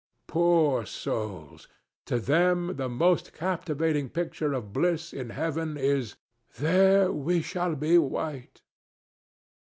Poor souls! To them the most captivating picture of bliss in heaven is "There we shall be white!"